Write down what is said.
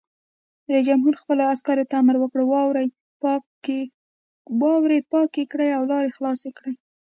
رئیس جمهور خپلو عسکرو ته امر وکړ؛ واورې پاکې کړئ او لارې خلاصې کړئ!